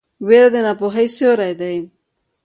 ویره د ناپوهۍ سیوری دی.